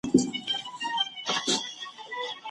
مرکزي حکومت څنګه محلي واکونه کنټرولوي؟